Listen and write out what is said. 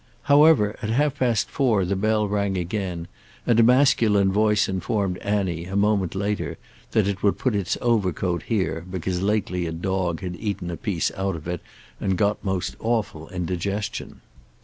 However, at half past four the bell rang again, and a masculine voice informed Annie, a moment later, that it would put its overcoat here, because lately a dog had eaten a piece out of it and got most awful indigestion.